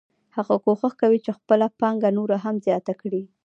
هغه کوښښ کوي چې خپله پانګه نوره هم زیاته کړي